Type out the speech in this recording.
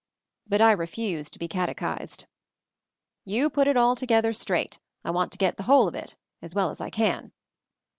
But I refused to be catechised. "You put it all together, straight ; I want to get the whole of it — as well as I can."